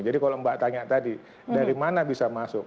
jadi kalau mbak tanya tadi dari mana bisa masuk